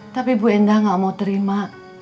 tapi bu endah gak mau terima